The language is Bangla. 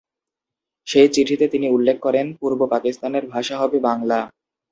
সেই চিঠিতে তিনি উল্লেখ করেন পূর্ব পাকিস্তানের ভাষা হবে বাংলা।